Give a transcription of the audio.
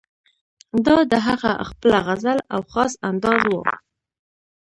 دا د هغه خپله غزل او خاص انداز وو.